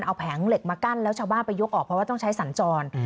เอาแผงเหล็กมากั้นแล้วชาวบ้านไปยกออกเพราะว่าต้องใช้สัญจร